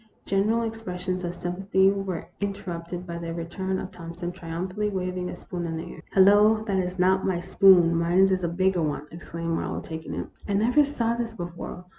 General expressions of sympathy were here in terrupted by the return of Thompson, triumphantly waving a spoon in the air. " Hello ! that 's not my spoon ; mine is a bigger one," exclaimed Marlowe, taking it. " I never saw this before.